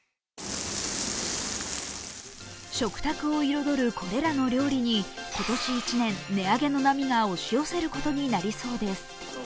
食卓を彩るこれらの料理に今年１年値上げの波が押し寄せることになりそうです。